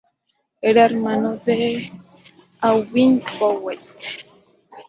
Era hermano de Aubin Vouet.